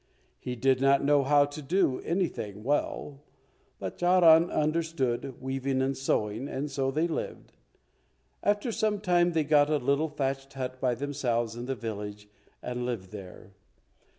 He did not know how to do anything well, but Charan understood weaving and sewing, and so they lived. After some time they got a little thatched hut by themselves in the village and lived there.